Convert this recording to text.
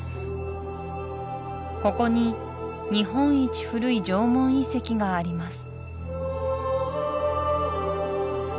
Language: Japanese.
ここに日本一古い縄文遺跡があります